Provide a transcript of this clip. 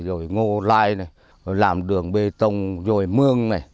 rồi ngô lai này làm đường bê tông rồi mương này